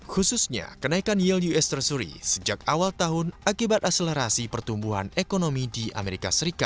khususnya kenaikan yield us treasury sejak awal tahun akibat aselerasi pertumbuhan ekonomi di as